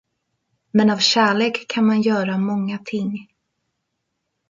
Men av kärlek kan man göra många ting.